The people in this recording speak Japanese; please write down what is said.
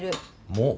もう？